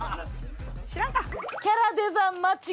知らんか。